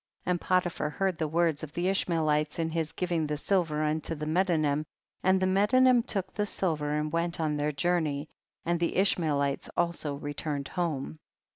10. And Potiphar heard the words of the Ishmaelites in his giving the silver unto the Medanim, and the Medanim took the silver and went on their journey, and the Ishmaehtes also returned home.